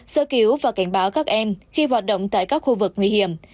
sơ cứu và cảnh báo các em khi hoạt động tại các khu vực nguy hiểm